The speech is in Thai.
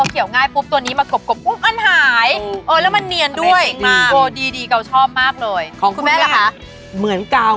เค้าว่ามันเหมือนกัน